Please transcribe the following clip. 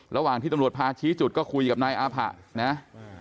ระหว่างที่ตำรวจพาชี้จุดก็คุยกับนายอาผะนะ